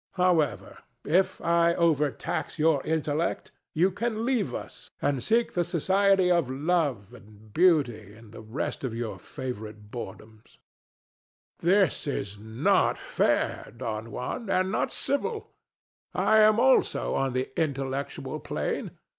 However, if I overtax your intellect, you can leave us and seek the society of love and beauty and the rest of your favorite boredoms. THE DEVIL. [much offended] This is not fair, Don Juan, and not civil. I am also on the intellectual plane.